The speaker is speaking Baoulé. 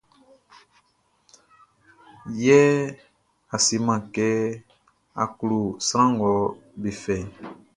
Yɛ a seman kɛ a klo sran nga be fɛʼn.